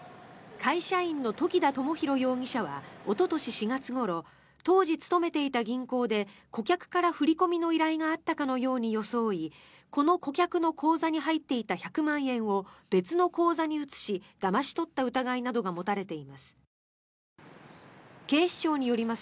会社員の時田知寛容疑者はおととし４月ごろ当時勤めていた銀行で顧客から振り込みの依頼があったかのように装いこの顧客の口座に入っていた１００万円を別の口座に移しだまし取った疑いなどが持たれています。